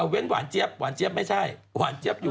เว้นหว่านเจี๊ยบหว่านเจี๊ยบไม่ใช่